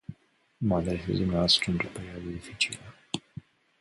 Mă adresez dumneavoastră într-o perioadă dificilă.